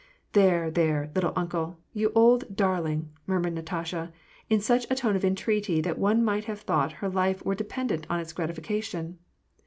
" There, there, ' little uncle !' you old darling !"* murmured Natasha, in such a tone of entreaty that one might have thought her life were dependent on its gratification.